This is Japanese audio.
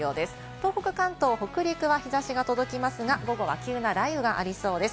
東北、関東、北陸は日差しが届きますが、午後は急な雷雨がありそうです。